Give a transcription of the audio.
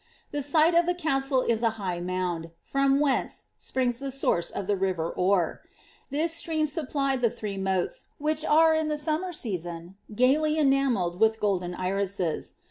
The site of the castle is a high moond, fioai whence springs the source of the river Orr. This stream aopplied dis tiiree moats, which are in the summer season gaily enameOed with golden irises.